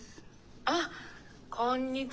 あっこんにちは。